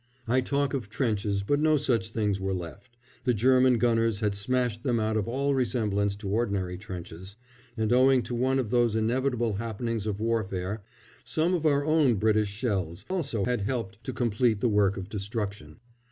I talk of trenches, but no such things were left the German gunners had smashed them out of all resemblance to ordinary trenches and owing to one of those inevitable happenings of warfare some of our own British shells also had helped to complete the work of destruction.